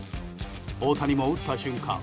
大谷も打った瞬間